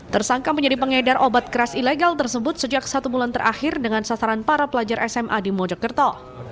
tersangka menjadi pengedar obat keras ilegal tersebut sejak satu bulan terakhir dengan sasaran para pelajar sma di mojokerto